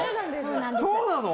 そうなの？